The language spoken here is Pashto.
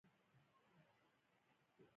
د ښاروالۍ ټاکنې یې وګټلې.